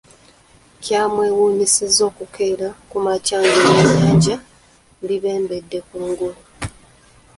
Kyabeewuunyisizza okukeera ku makya ng’ebyennyanja bibembedde ku ngulu.